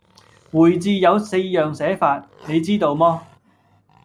回字有四樣寫法，你知道麼？